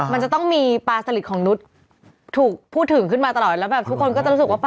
มันจะต้องมีปลาสลิดของนุษย์ถูกพูดถึงขึ้นมาตลอดแล้วแบบทุกคนก็จะรู้สึกว่าปลา